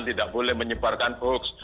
tidak boleh menyebarkan hoax